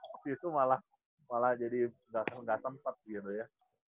waktu itu malah malah jadi gak sempet gitu ya